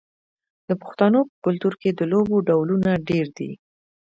د پښتنو په کلتور کې د لوبو ډولونه ډیر دي.